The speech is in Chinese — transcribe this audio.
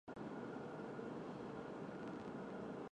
制动装置采用再生制动两用全电气指令式电磁直通制动。